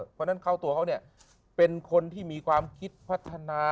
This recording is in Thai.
เพราะฉะนั้นเข้าตัวเขาเนี่ยเป็นคนที่มีความคิดพัฒนา